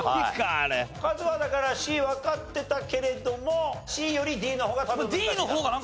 カズはだからＣわかってたけれどもＣよりＤの方が？